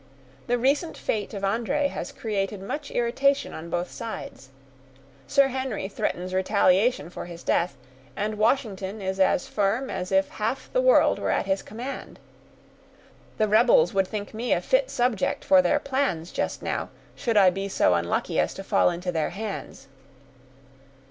The recent fate of André has created much irritation on both sides. Sir Henry threatens retaliation for his death; and Washington is as firm as if half the world were at his command. The rebels would think me a fit subject for their plans just now, should I be so unlucky as to fall into their hands."